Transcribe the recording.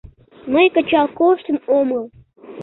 Мый кычал коштын омыл.